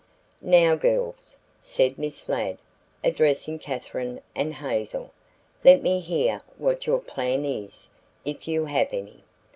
"Now, girls," said Miss Ladd, addressing Katherine and Hazel, "let me hear what your plan is, if you have any.